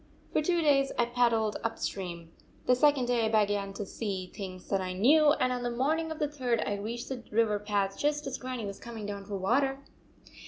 " For two days I paddled up stream. The second day I began to see things that I knew, and on the morning of the third I reached the river path just as Grannie was coming down for water."